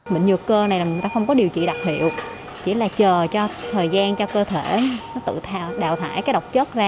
bệnh nhược cơ này là người ta không có điều trị đặc hiệu chỉ là chờ cho thời gian cho cơ thể nó tự đào thải cái độc chất ra